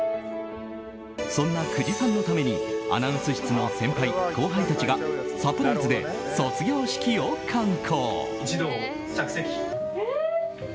そんな久慈さんのためにアナウンス室の先輩、後輩たちがサプライズで卒業式を敢行。